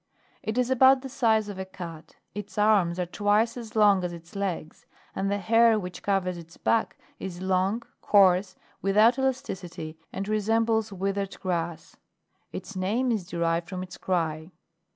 It is about the size of a cat, its arms are twice as long as its legs, and the hair which covers its back is long, coarse, without elasticity, and resembles withered grass. Its name is derived from its cry.